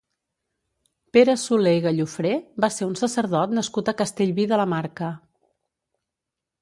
Pere Solé i Gallofré va ser un sacerdot nascut a Castellví de la Marca.